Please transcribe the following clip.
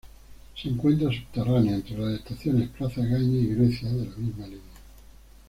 Se encuentra subterránea, entre las estaciones Plaza Egaña y Grecia de la misma línea.